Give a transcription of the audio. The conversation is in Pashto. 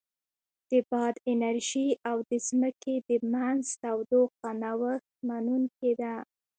د باد انرژي او د ځمکې د منځ تودوخه نوښت منونکې ده.